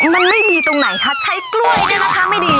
มันไม่ดีตรงไหนคะใช้กล้วยด้วยนะคะไม่ดี